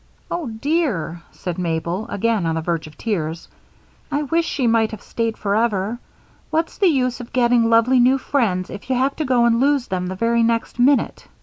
"Oh, dear," said Mabel, again on the verge of tears, "I wish she might have stayed forever. What's the use of getting lovely new friends if you have to go and lose them the very next minute?